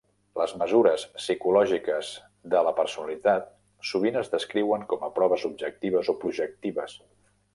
Les mesures psicològiques de la personalitat sovint es descriuen com a proves objectives o projectives.